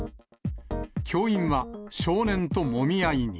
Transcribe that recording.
教員は、少年ともみ合いに。